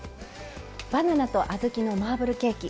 バナナと小豆のマーブルケーキ。